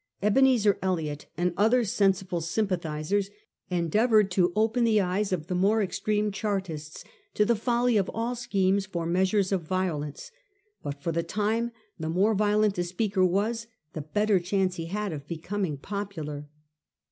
Ebenezer Elliott and other sensible sympa thisers, endeavoured to open the eyes of the more extreme Chartists to the folly of all schemes for measures of violence; but for the time the more violent a speaker was, the better chance he had of be coming popular.